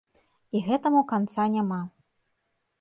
І гэтаму канца няма.